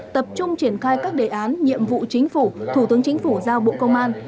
tập trung triển khai các đề án nhiệm vụ chính phủ thủ tướng chính phủ giao bộ công an